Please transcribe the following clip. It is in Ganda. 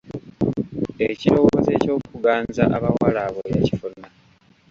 Ekirowoozo eky'okuganza abawala abo yakifuna.